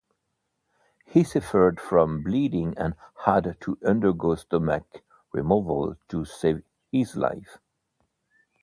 He suffered from bleeding and had to undergo stomach removal to save his life.